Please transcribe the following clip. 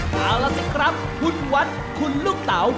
เอาล่ะสิครับคุณวัดคุณลูกเต๋า